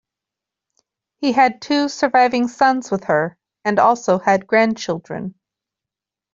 He had two surviving sons with her and also had grandchildren.